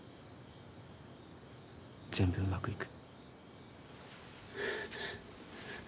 全部うまくいく。